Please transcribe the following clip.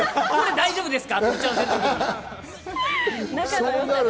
大丈夫ですか？